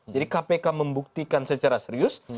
jadi kpk membuktikan secara serius